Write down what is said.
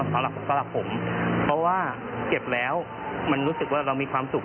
สำหรับผมเพราะว่าเก็บแล้วมันรู้สึกว่าเรามีความสุข